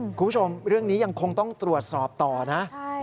คุณผู้ชมเรื่องนี้ยังคงต้องตรวจสอบต่อนะ